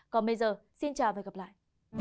còn bây giờ xin chào và gặp lại